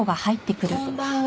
こんばんは。